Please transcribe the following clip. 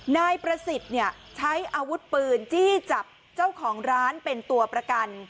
นายประสิทธิ์ใช้อาวุธปืนจี้จับเจ้าของร้านเป็นตัวประกัน